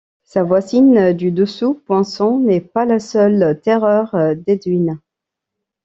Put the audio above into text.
Sa voisine du dessous, Poinçon, n'est pas la seule terreur d'Edwin.